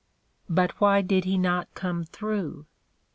But why did he not come through?